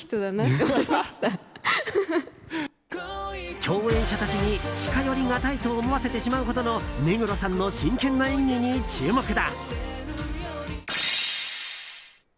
共演者たちに近寄りがたいと思わせてしまうほどの目黒さんの真剣な演技に注目だ。